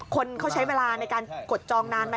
คนเขาใช้เวลาในการกดจองนานไหม